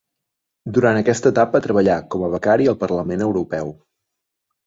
Durant aquesta etapa treballà com a becari al Parlament Europeu.